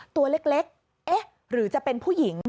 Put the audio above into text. ตัวเล็กเอ๊ะหรือจะเป็นผู้หญิง